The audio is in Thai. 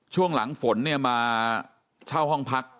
ช่วงหลังฝนเนี่ยมาเช่าห้องพัก